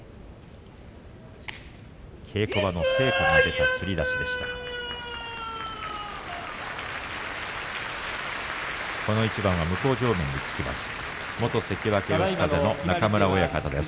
稽古場の成果が出たつり出しでした霧馬山です。